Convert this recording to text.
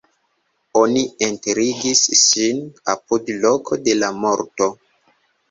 Oni enterigis ŝin apud loko de la morto.